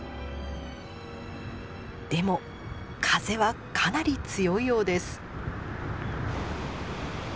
でも風はかなり強いようです。